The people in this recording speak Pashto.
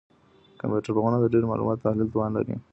کمپيوټر پوهنه د ډېرو معلوماتو د تحلیل توان لري.